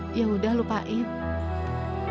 sum aku semua minta maaf